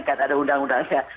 kan ada undang undangnya